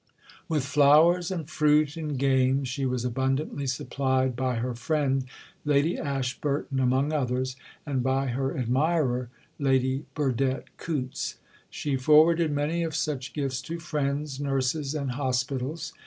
With flowers and fruit and game she was abundantly supplied, by her friend Lady Ashburton, among others, and by her admirer, Lady Burdett Coutts. She forwarded many of such gifts to friends, nurses, and hospitals.